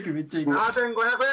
７５００円！